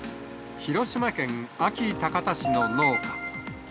広島県安芸高田市の農家。